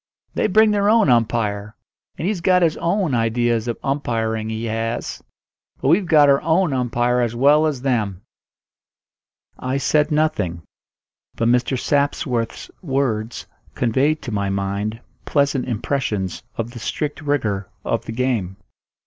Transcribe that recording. "They bring their own umpire, and he's got his own ideas of umpiring, he has. But we've got our own umpire as well as them." I said nothing; but Mr. Sapsworth's words conveyed to my mind pleasant impressions of the strict rigour of the game.